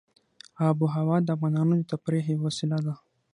آب وهوا د افغانانو د تفریح یوه وسیله ده.